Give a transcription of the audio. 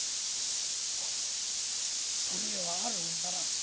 ほう取り柄はあるもんだな。